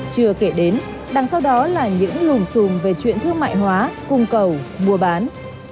chưa kể đến đằng sau đó là những lùm xùm về chuyện thương mại hóa cung cầu mua bán